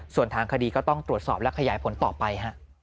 ส่วนทางคดีก็ต้องตรวจสอบและขยายผลต่อไป